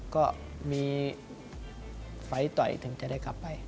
ก็มีไฟต่อยถึงจะได้ขับไป